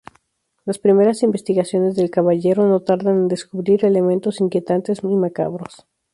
Las primeras investigaciones del caballero no tardan en descubrir elementos inquietantes y macabros...